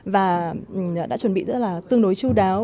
và đã chuẩn bị rất là tương đối chú đáo